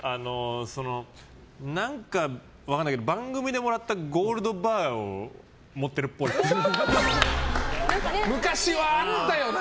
何か分からないけど番組でもらったゴールドバーを昔はあったよな。